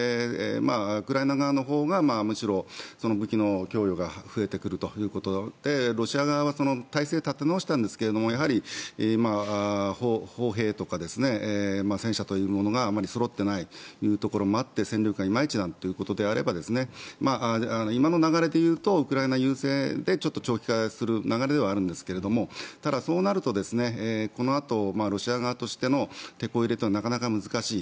ウクライナ側のほうがむしろ武器の供与が増えてくるということがあってロシア側は体制を立て直したんですがやはり砲兵とか戦車というものがあまりそろっていないというところもあって戦力がいまいちなんてことがあれば今の流れでいうとウクライナ優勢で長期化する流れではあるんですがただ、そうなるとこのあとロシア側としてのてこ入れというのはなかなか難しい。